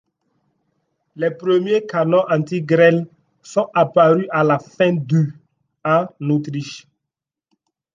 Les premiers canons anti-grêle sont apparus à la fin du en Autriche.